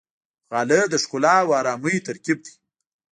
غالۍ د ښکلا او آرامۍ ترکیب دی.